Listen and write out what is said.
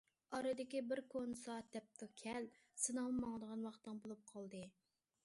ئارىدىكى بىر كونا سائەت دەپتۇ:- كەل، سېنىڭمۇ ماڭىدىغان ۋاقتىڭ بولۇپ قالدى.